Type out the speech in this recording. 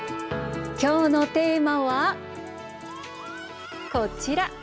今日のテーマは、こちら。